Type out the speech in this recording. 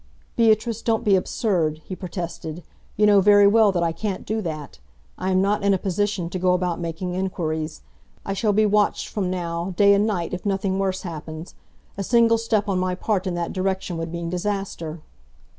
"Beatrice, don't be absurd," he protested. "You know very well that I can't do that. I am not in a position to go about making enquiries. I shall be watched from now, day and night, if nothing worse happens. A single step on my part in that direction would mean disaster."